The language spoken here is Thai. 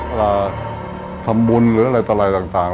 เวลาทำบุญหรืออะไรตลายต่าง